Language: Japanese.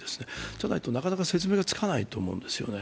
じゃないと、なかなか説明がつかないと思います。